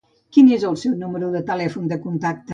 Quin és el seu número de telèfon de contacte?